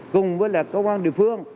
cùng với là cơ quan địa phương